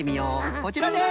こちらです！